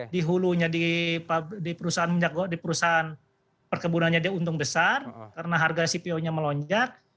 di hulunya di perusahaan perkebunannya dia untung besar karena harga cpo nya melonjak